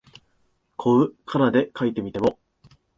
こう仮名で書いてみても、